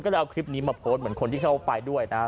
ก็เลยเอาคลิปนี้มาโพสต์เหมือนคนที่เข้าไปด้วยนะฮะ